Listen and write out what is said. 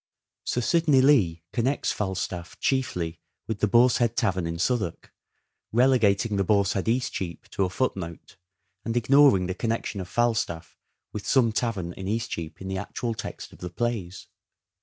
Sir Sidney Lee connects Falstaff chiefly with the Boar's Head Tavern in Southwark, relegating the Boar's Head, Eastcheap, to a footnote, and ignoring the connection of Falstaff with some tavern in East cheap in the actual text of the plays.